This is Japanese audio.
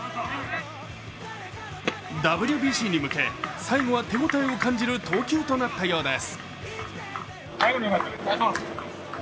ＷＢＣに向け、最後は手応えを感じる投球となったようです。